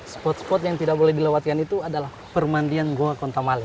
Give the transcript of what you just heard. spot spot yang tidak boleh dilewatkan itu adalah permandian goa kontamale